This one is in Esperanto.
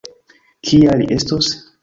Kia li estos?